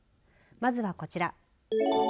まずはこちら。